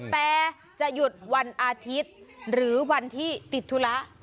แต่จะหยุดวันอาทิตย์หรือวันที่ติดธุระ